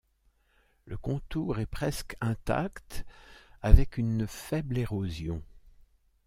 Le contour est presque intact avec une faible érosion.